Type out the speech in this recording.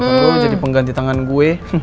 kan lo yang jadi pengganti tangan gue